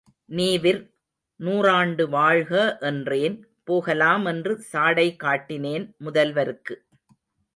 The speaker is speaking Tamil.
நீவிர் நூறாண்டு வாழ்க என்றேன், போகலாமென்று சாடை காட்டினேன் முதல்வருக்கு.